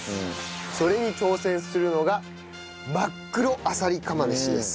それに挑戦するのが真っ黒あさり釜飯です。